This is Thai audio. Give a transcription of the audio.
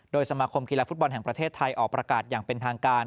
สมาคมกีฬาฟุตบอลแห่งประเทศไทยออกประกาศอย่างเป็นทางการ